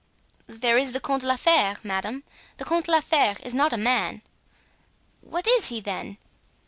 "There is the Comte de la Fere, madame. The Comte de la Fere is not a man." "What is he, then?"